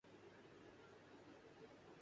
ایک بہترین کمپنی بنانا چاہتا ہوں